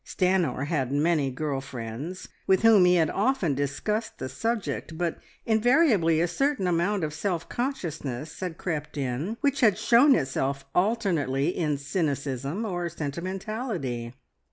Stanor had many girl friends with whom he had often discussed the subject, but invariably a certain amount of self consciousness had crept in, which had shown itself alternately in cynicism or sentimentality.